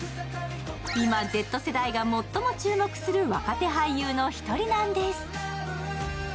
今、Ｚ世代が最も注目する若手俳優の一人なんです。